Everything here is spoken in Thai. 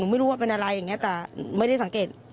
ไม่รู้ว่าเป็นอะไรอย่างนี้แต่ไม่ได้สังเกต